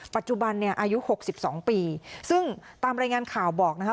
ปัจจุบันเนี่ยอายุ๖๒ปีซึ่งตามรายงานข่าวบอกนะคะ